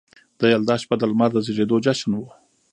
د یلدا شپه د لمر د زیږیدو جشن و